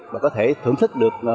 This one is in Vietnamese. và có thể thưởng thức được